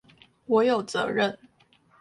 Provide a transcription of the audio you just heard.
我有責任